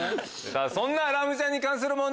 そんなラムちゃんに関する問題